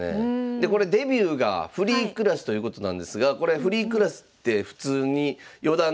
でこれデビューがフリークラスということなんですがこれフリークラスってはい。